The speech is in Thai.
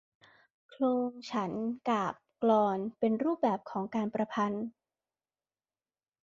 โคลง ฉันท์ กาพย์ กลอน เป็นรูปแบบของการประพันธ์